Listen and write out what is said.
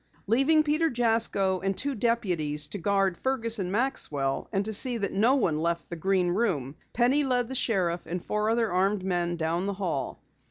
Leaving Peter Jasko and two deputies to guard Fergus and Maxwell and to see that no one left the Green Room, Penny led the sheriff and four other armed men down the hall.